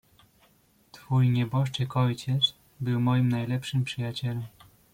"Twój nieboszczyk ojciec był moim najlepszym przyjacielem."